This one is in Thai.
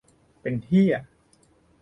"เป็นเหี้ย"